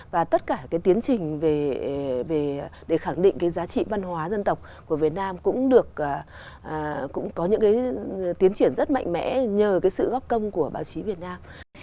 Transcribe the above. và tất cả cái tiến trình để khẳng định cái giá trị văn hóa dân tộc của việt nam cũng có những cái tiến triển rất mạnh mẽ nhờ cái sự góp công của báo chí việt nam